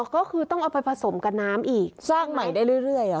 อ๋อก็คือต้องเอาไปผสมกับน้ำอีกซอกใหม่ได้เรื่อยเรื่อยหรอ